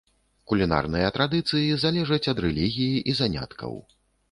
Кулінарныя традыцыі залежаць ад рэлігіі і заняткаў.